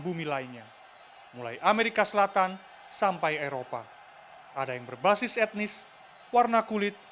saya ingin melakukan sesuatu yang tidak bisa dilakukan